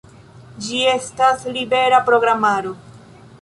Ĝi estas libera programaro.